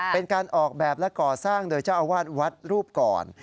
เป็นการออกแบบและก่อสร้างโดยเจ้าอาวาสวัดรูปก่อน